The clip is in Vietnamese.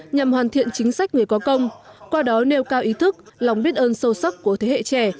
nhằm hoàn thiện chính sách người có công qua đó nêu cao ý thức lòng biết ơn sâu sắc của thế hệ trẻ